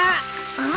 うん？